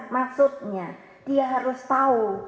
maksudnya dia harus tahu